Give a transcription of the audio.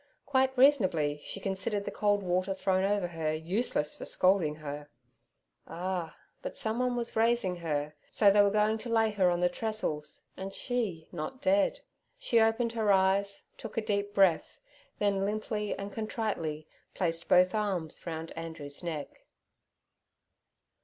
Quite reasonably, she considered the cold water thrown over her useless for scalding her. Ah, but someone was raising her, so they were going to lay her on the trestles, and she not dead. She opened her eyes, took a deep breath, then limply and contritely placed both arms round Andrew's neck.